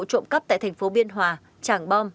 trộm cấp tại thành phố biên hòa tràng bom